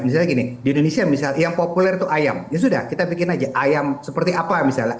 misalnya gini di indonesia misalnya yang populer itu ayam ya sudah kita bikin aja ayam seperti apa misalnya